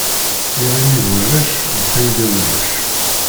Iɣimi d warrac, lfayda ulac.